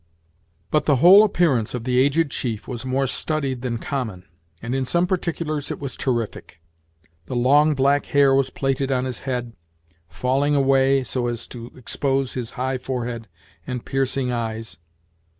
But the whole appearance of the aged chief was more studied than common, and in some particulars it was terrific. The long black hair was plaited on his head, failing away, so as to expose his high forehead and piercing eyes.